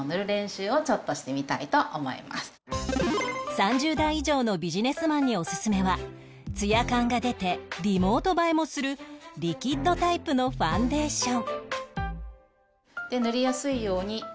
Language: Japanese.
３０代以上のビジネスマンにおすすめはツヤ感が出てリモート映えもするリキッドタイプのファンデーション